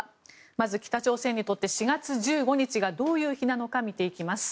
まず北朝鮮にとって４月１５日がどういう日なのか見ていきます。